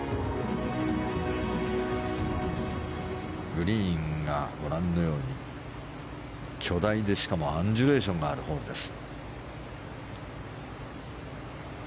グリーンがご覧のように巨大でしかもアンジュレーションがあるホールです。